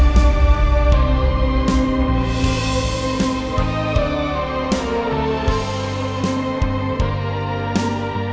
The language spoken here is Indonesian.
dan juga dari dokter